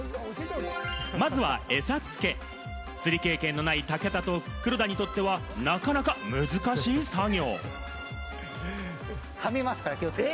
まずはえさ付け、釣り経験のない武田と黒田にとっては、なかなか難しい作業。